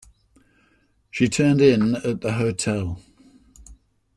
She turned in at the hotel.